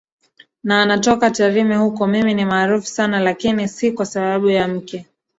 na anatoka Tarime Huko mimi ni maarufu sana lakini si kwa sababu ya mke